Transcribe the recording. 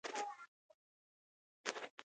بل زمانه کې صواب وي.